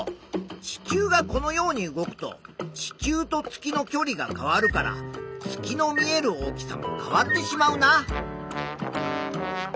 地球がこのように動くと地球と月のきょりが変わるから月の見える大きさも変わってしまうな。